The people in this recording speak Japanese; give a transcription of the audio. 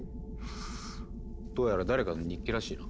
どうやら誰かの日記らしいな。